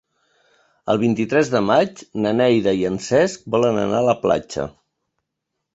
El vint-i-tres de maig na Neida i en Cesc volen anar a la platja.